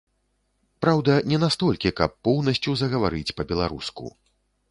Праўда, не настолькі, каб поўнасцю загаварыць па-беларуску.